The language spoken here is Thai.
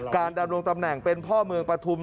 ดำรงตำแหน่งเป็นพ่อเมืองปฐุม